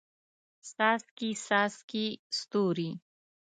څاڅکي، څاڅکي ستوري